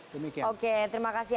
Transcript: demikian oke terima kasih